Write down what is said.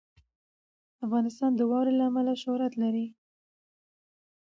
افغانستان د واوره له امله شهرت لري.